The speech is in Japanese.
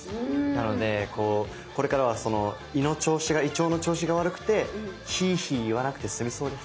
なのでこれからは胃の調子が胃腸の調子が悪くてヒーヒー言わなくて済みそうです。